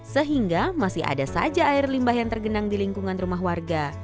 sehingga masih ada saja air limbah yang tergenang di lingkungan rumah warga